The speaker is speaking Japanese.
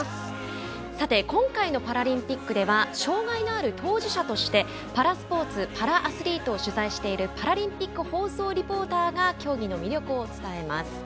さて、今回のパラリンピックでは障がいのある当事者としてパラスポーツパラアスリートを取材しているパラリンピック放送リポーターが競技の魅力を伝えます。